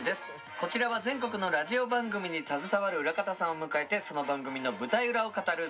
こちらは全国のラジオ番組に携わる裏方さんを迎えてその番組の舞台裏を語る